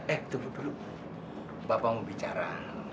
eh dulu dulu bapak mau bicara